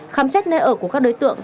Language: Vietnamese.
khám xét nơi ở của các đối tượng